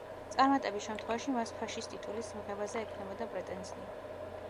წარმატების შემთხვევაში მას ფაშის ტიტულის მიღებაზე ექნებოდა პრეტენზია.